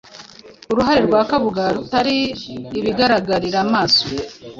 Uruhare rwa Kabuga rutari ibigaragarira amaso